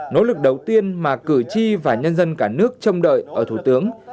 nỗ lực đầu tiên mà cử tri và nhân dân cả nước trông đợi ở thủ tướng